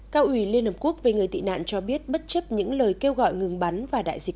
cao ủy liên hợp quốc về người tị nạn cho biết bất chấp những lời kêu gọi ngừng bắn và đại dịch